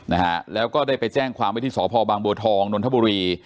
นะฮะแล้วก็ได้ไปแจ้งความไว้ที่สพบางบัวทองนนทบุรี